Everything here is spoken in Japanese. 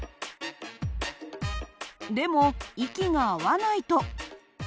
でも息が合わないと。